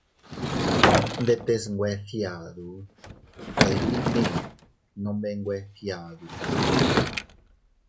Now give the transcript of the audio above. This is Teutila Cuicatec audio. Ndetes nwe fgiadu, tadilitin nome nwe fgiaduta.